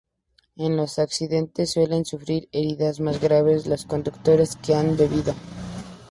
En los accidentes suelen sufrir heridas más graves los conductores que han bebido.